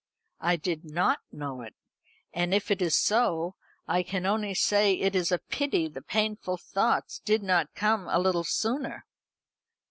"I did not know it. And if it is so I can only say it is a pity the painful thoughts did not come a little sooner."